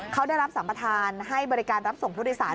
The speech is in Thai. เขาได้รับสัมปะทานให้บริการรับส่งพฤติสาร